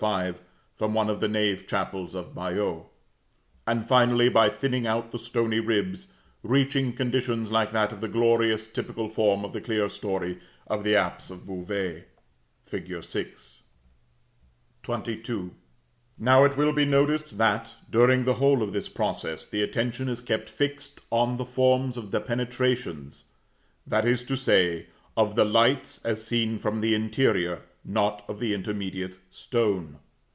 5, from one of the nave chapels of Bayeaux), and finally, by thinning out the stony ribs, reaching conditions like that of the glorious typical form of the clerestory of the apse of Beauvais (fig. 6). [Illustration: PLATE III. (Page 60 Vol. V.) TRACERIES FROM CAEN, BAYEUX, ROUEN, AND BEAVAIS.] XXII. Now, it will be noticed that, during the whole of this process, the attention is kept fixed on the forms of the penetrations, that is to say, of the lights as seen from the interior, not of the intermediate stone.